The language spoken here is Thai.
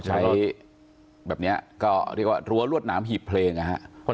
ใช้แบบนี้ก็เรียกว่ารั้วรวดหนามหีบเพลงนะฮะ